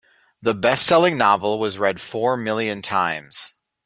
The bestselling novel was read four million times.